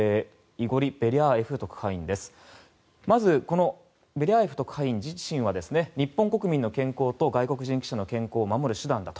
まず、ベリャーエフ特派員自身は日本国民の健康と外国人記者の健康を守る手段だと。